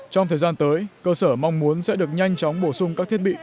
trong thời gian tới cơ sở mong muốn sẽ được nhanh chóng bổ sung các thiết bị